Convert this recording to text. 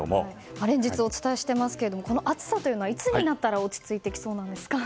連日お伝えしていますがこの暑さはいつになったら落ち着いてきそうなんですか？